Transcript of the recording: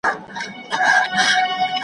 له آسمانه به راتللې بیرته کورته .